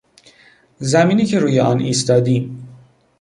زمینی که روی آن ایستادیم